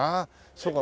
そうか。